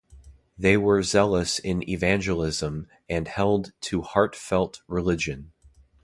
They were zealous in evangelism and held to heart-felt religion.